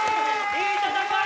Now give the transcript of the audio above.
いい戦い！